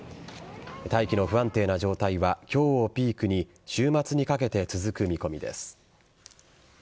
大気の不安定な状態は今日をピークに週末にかけて続く見込みです。